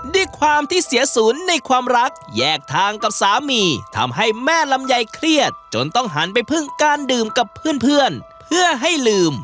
ด้วยความที่เสียศูนย์ในความรักแยกทางกับสามีทำให้แม่ลำไยเครียดจนต้องหันไปพึ่งการดื่มกับเพื่อนเพื่อให้ลืม